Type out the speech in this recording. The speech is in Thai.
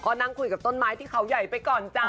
ก็นั่งคุยกับต้นไม้ที่เขาใหญ่ไปก่อนจ้ะ